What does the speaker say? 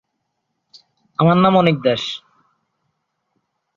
অবশিষ্ট জনসংখ্যা যুক্তরাজ্য ও মধ্যপ্রাচ্য থেকে প্রেরিত আয়ের উপর নির্ভরশীল।